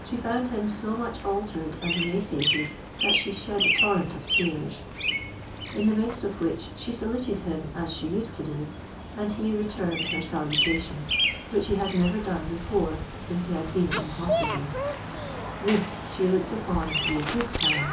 She found him so much altered and emaciated that she shed a torrent of tears; in the midst of which she saluted him as she used to do, and he returned her salutation, which he had never done before since he had been in the hospital. This she looked upon to be a good sign.